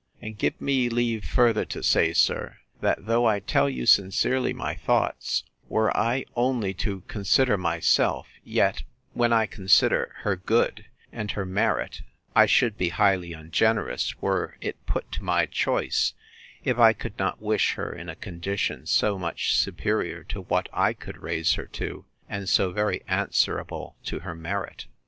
And give me leave further to say, sir, that, though I tell you sincerely my thoughts, were I only to consider myself; yet, when I consider her good, and her merit, I should be highly ungenerous, were it put to my choice, if I could not wish her in a condition so much superior to what I could raise her to, and so very answerable to her merit.